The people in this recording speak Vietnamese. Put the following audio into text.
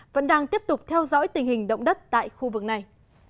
vẫn đang tiếp tục theo dõi tình hình động đất tại khu vực này